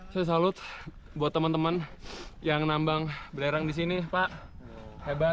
saya salut buat teman teman yang nambang belerang di sini pak hebat